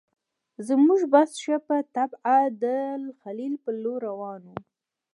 زموږ بس ښه په طبعه د الخلیل پر لوري روان و.